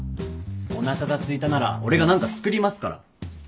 おなかがすいたなら俺が何か作りますから